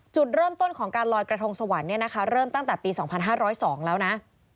จุดเริ่มต้นของการลอยกระทงสวรรค์เนี่ยนะคะเริ่มตั้งแต่ปี๒๕๐๒แล้วนะ